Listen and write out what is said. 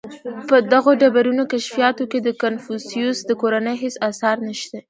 • په دغو ډبرینو کشفیاتو کې د کنفوسیوس د کورنۍ هېڅ آثار نهشته.